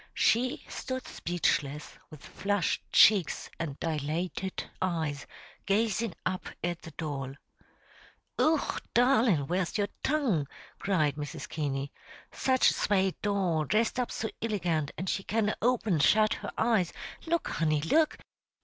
She stood speechless, with flushed cheeks and dilated eyes, gazing up at the doll. "Och, darlin', where's your tongue?" cried Mrs. Keaney. "Such a swate doll, dressed up so illegant, an' she can open an' shut her eyes! Look, honey, look!